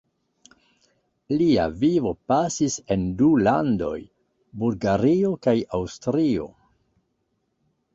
Lia vivo pasis en du landoj: Bulgario kaj Aŭstrio.